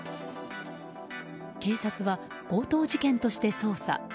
警察は強盗事件として捜査。